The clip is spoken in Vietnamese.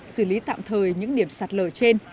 xử lý tạm thời những điểm sạt lở trên